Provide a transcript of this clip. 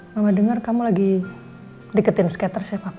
mama dengar kamu lagi diketin skater siapa apa